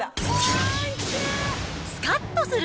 スカッとする！